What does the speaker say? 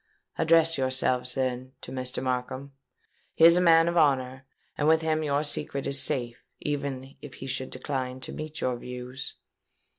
Address yourselves, then, to Mr. Markham: he is a man of honour; and with him your secret is safe, even if he should decline to meet your views.'